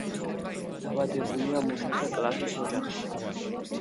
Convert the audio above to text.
დაბადებულია მუშათა კლასის ოჯახში.